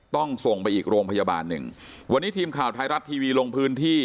ต้องส่งไปอีกโรงพยาบาลหนึ่งวันนี้ทีมข่าวไทยรัฐทีวีลงพื้นที่